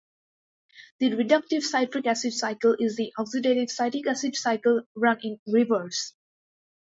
The reductive citric acid cycle is the oxidative citric acid cycle run in reverse.